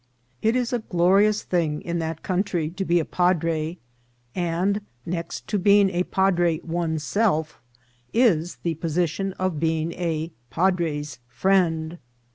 It is a glorious thing in that country to be a padre, and next to being a padre one's self is the position of being a padre's friend.